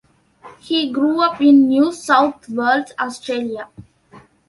He grew up in New South Wales, Australia.